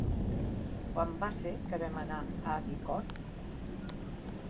Quan va ser que vam anar a Bicorb?